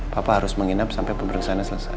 papa harus menginap sampai pemeriksaannya selesai